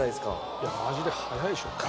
いやマジで早いでしょ。